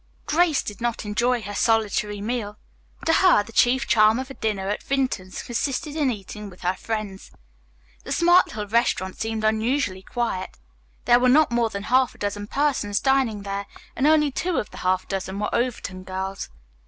Grace did not enjoy her solitary meal. To her, the chief charm of a dinner at Vinton's consisted in eating it with her friends. The smart little restaurant seemed unusually quiet. There were not more than half a dozen persons dining there and only two of the half dozen were Overton girls.